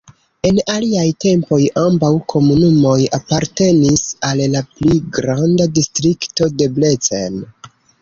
En aliaj tempoj ambaŭ komunumoj apartenis al la pli granda Distrikto Debrecen.